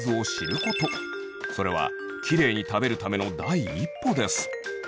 それはキレイに食べるための第一歩です。